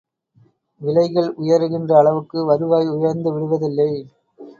விலைகள் உயருகின்ற அளவுக்கு வருவாய் உயர்ந்து விடுவதில்லை.